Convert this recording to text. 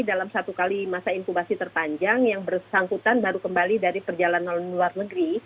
dalam satu kali masa inkubasi terpanjang yang bersangkutan baru kembali dari perjalanan luar negeri